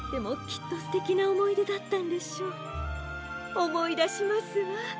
おもいだしますわ。